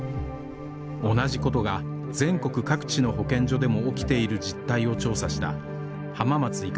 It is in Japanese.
同じことが全国各地の保健所でも起きている実態を調査した浜松医科大学尾島俊之教授です